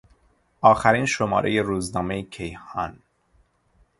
آخرین شمارهی روزنامهی کیهان